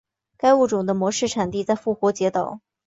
该物种的模式产地在复活节岛。